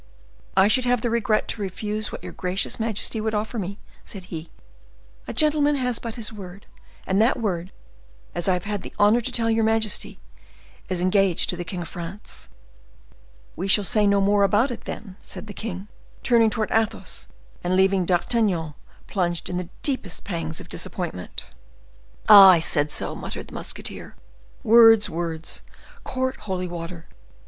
"I should have the regret to refuse what your gracious majesty would offer me," said he; "a gentleman has but his word, and that word, as I have had the honor to tell your majesty, is engaged to the king of France." "We shall say no more about it, then," said the king, turning towards Athos, and leaving D'Artagnan plunged in the deepest pangs of disappointment. "Ah! I said so!" muttered the musketeer. "Words! words! Court holy water!